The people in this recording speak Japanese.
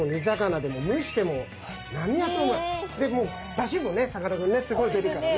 でもうだしもねさかなクンねすごい出るからね。